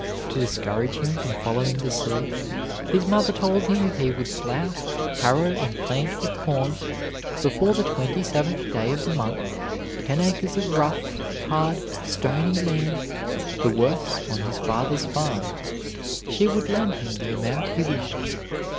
To discourage him from following the sea, his mother told him if he would plow, harrow, and plant with corn, before the twenty seventh day of the month, ten acres of rough, hard, stony land, the worst on his father's farm, she would lend him the amount he wished.